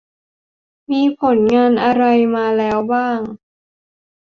มีผลงานอะไรมาแล้วบ้าง